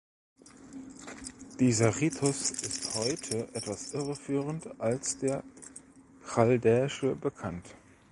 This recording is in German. Dieser Ritus ist heute, etwas irreführend, als der chaldäische bekannt.